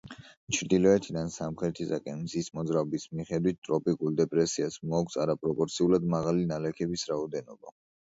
ჩრდილოეთიდან სამხრეთისაკენ მზის მოძრაობის მიხედვით ტროპიკულ დეპრესიას მოაქვს არაპროპორციულად მაღალი ნალექების რაოდენობა.